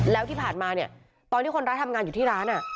แล้วที่ผ่านมาเนี่ยตอนที่คนร้ายทำงานอยู่ที่ร้าน